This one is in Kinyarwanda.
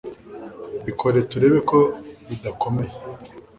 bikore turebe ko bidakomeye